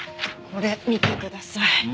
これ見てください。